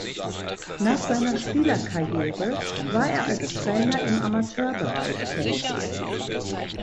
Nach seiner Spielerkarriere war er als Trainer im Amateurbereich tätig.